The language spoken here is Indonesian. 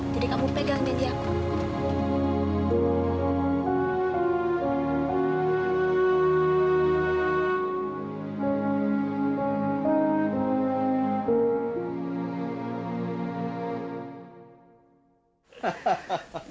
jadi kamu pegang janji aku